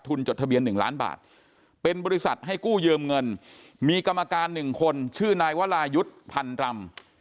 จดทะเบียน๑ล้านบาทเป็นบริษัทให้กู้ยืมเงินมีกรรมการหนึ่งคนชื่อนายวรายุทธ์พันรำ